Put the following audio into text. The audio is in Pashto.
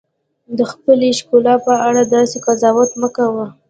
د خپلې ښکلا په اړه داسې قضاوت مه کوئ.